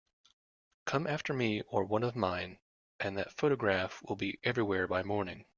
Come after me or one of mine, and that photograph will be everywhere by morning.